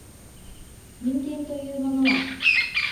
人間というものは